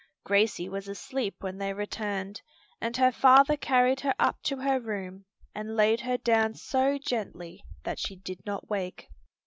Gracie was asleep when they returned, and her father carried her up to her room and laid her down so gently that she did not wake.